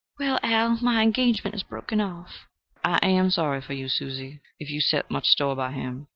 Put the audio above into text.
"Well, Al, my engagement is broken off." "I am sorry for you, Susie, if you set much store by him."